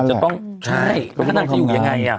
จนกว่าจะต้องใช่แล้วก็นั่งจะอยู่ยังไงอ่ะ